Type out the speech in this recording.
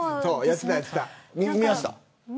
見ましたか。